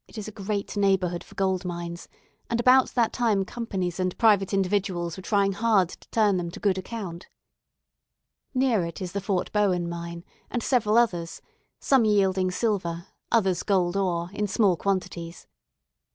It is a great neighbourhood for gold mines; and about that time companies and private individuals were trying hard to turn them to good account. Near it is the Fort Bowen mine, and several others; some yielding silver, others gold ore, in small quantities.